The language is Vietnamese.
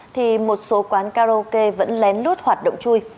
thì một số quán karaoke vẫn lén lút hoạt động chui